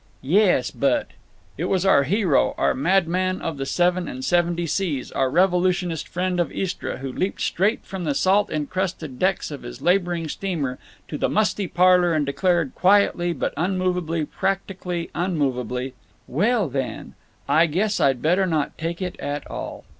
"Yes, but—" It was our hero, our madman of the seven and seventy seas, our revolutionist friend of Istra, who leaped straight from the salt incrusted decks of his laboring steamer to the musty parlor and declared, quietly but unmovably practically unmovably—"Well, then, I guess I'd better not take it at all."